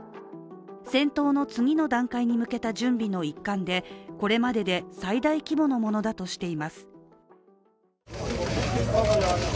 戦闘の次の段階に向けた準備の一環でこれまでで最大規模のものだとしています。